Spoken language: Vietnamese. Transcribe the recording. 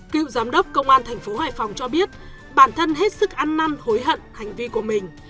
cựu giám đốc công an tp hoài phòng cho biết bản thân hết sức ăn năn hối hận hành vi của mình